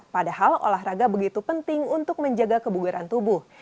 padahal olahraga begitu penting untuk menjaga kebugaran tubuh